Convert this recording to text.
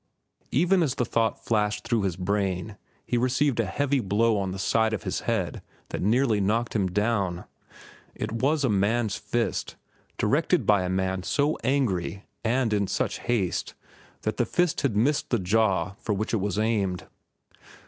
Even as the thought flashed through his brain he received a heavy blow on the side of his head that nearly knocked him down. It was a man's fist, directed by a man so angry and in such haste that the fist had missed the jaw for which it was aimed.